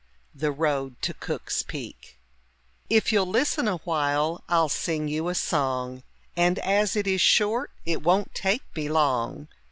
THE ROAD TO COOK'S PEAK If you'll listen a while I'll sing you a song, And as it is short it won't take me long.